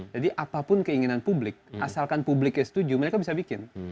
jadi apapun keinginan publik asalkan publiknya setuju mereka bisa bikin